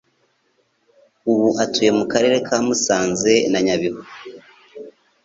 Ubu atuye mu Karere ka Musanze na Nyabihu